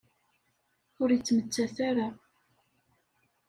Ur yettmettat ara.